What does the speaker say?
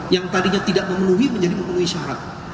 yang tadinya tidak memenuhi menjadi memenuhi syarat